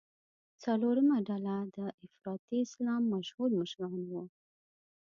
څلورمه ډله د افراطي اسلام مشهور مشران وو.